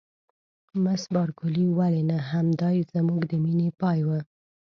مس بارکلي: ولې نه؟ همدای زموږ د مینې پای و.